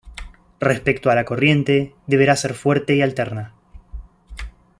Respecto a la corriente, deberá ser fuerte y alterna.